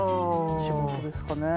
仕事ですかね。